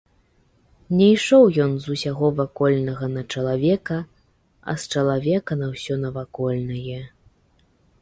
Не ішоў ён з усяго вакольнага на чалавека, а з чалавека на ўсё навакольнае.